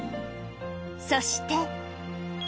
そして。